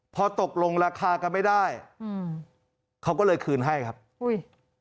พอตกลงราคากันไม่ได้อืมเขาก็เลยคืนให้ครับอุ้ย